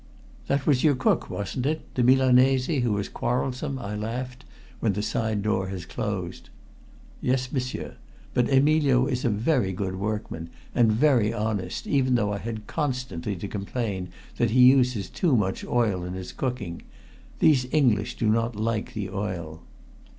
"That was your cook, wasn't it? The Milanese who is quarrelsome?" I laughed, when the side door had closed. "Yes, m'sieur. But Emilio is a very good workman and very honest, even though I had constantly to complain that he uses too much oil in his cooking. These English do not like the oil."